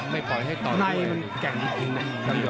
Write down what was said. ไม่ปล่อยให้ต่อยด้วย